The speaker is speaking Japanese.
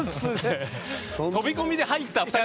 飛び込みで入った２人。